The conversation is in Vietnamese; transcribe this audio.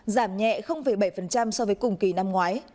giảm nhẹ bảy so với cùng kỳ năm ngoái